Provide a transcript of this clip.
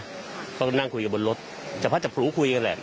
พระอาจารย์นั้นพวกเขานั่งคุยกับบนรถที่แต่พระจักรปรุ้งคุยกันแหละ